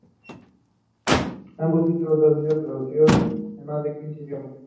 Ambos títulos han sido traducidos en más de quince idiomas.